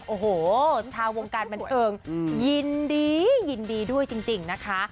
โอ้โหชาววงการบันเทิงยินดียินดีด้วยจริงนะคะ